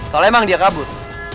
kalau emang dia kabur